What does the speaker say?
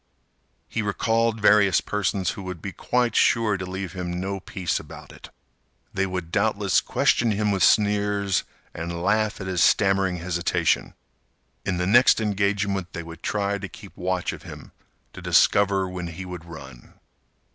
He recalled various persons who would be quite sure to leave him no peace about it. They would doubtless question him with sneers, and laugh at his stammering hesitation. In the next engagement they would try to keep watch of him to discover when he would run.